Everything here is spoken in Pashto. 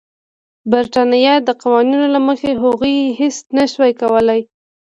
د برېټانیا د قوانینو له مخې هغوی هېڅ نه شوای کولای.